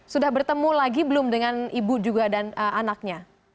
sudah bertemu lagi belum dengan ibu juga dan anaknya